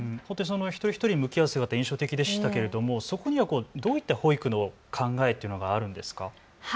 一人一人向き合う姿は印象的でしたがそこにはどういった保育の考えというのがあるんでしょうか。